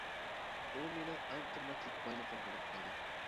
ئۇ مېنىڭ ئەڭ قىممەتلىك بايلىقىم بولۇپ قالدى.